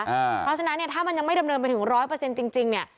เพราะฉะนั้นเนี้ยถ้ามันยังไม่ดำเนินไปถึงร้อยเปอร์เซ็นต์จริงจริง